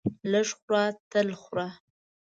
لږ خوره تل خوره.